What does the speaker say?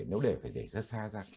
nếu để phải để rất xa ra